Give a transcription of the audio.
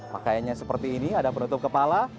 pakaiannya seperti ini ada penutup kepala